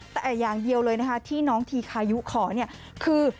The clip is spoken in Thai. แต่อย่างเดียวเลยนะคะที่น้องทีคายุขอเนี่ยคือ